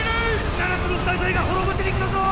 七つの大罪が滅ぼしに来たぞ！